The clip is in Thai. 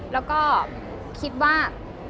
แล้วก็คิดว่า